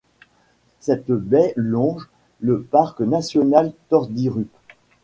Cette baie longe le Parc national Torndirrup.